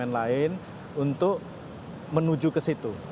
dengan bumn lain untuk menuju ke situ